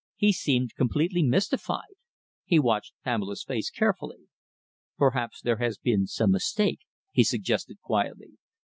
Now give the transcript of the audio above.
He seemed completely mystified. He watched Pamela's face carefully. "Perhaps there has been some mistake," he suggested quietly.